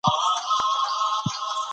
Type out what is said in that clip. بنسټګر یې رالف کوهن نومیده.